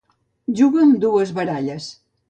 Jugar amb dues baralles.